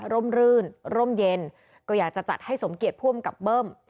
รื่นร่มเย็นก็อยากจะจัดให้สมเกียจผู้อำกับเบิ้ม